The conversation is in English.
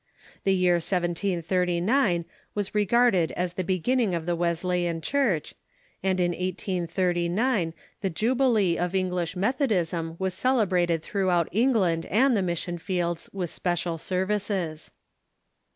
The year 1739 was regarded as the beginning of the Wesleyan Church, and in 1839 the jubilee of English Methodism was celebrated through out England and the mission fields with special services.